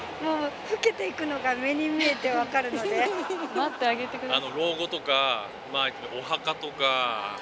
待ってあげて下さい。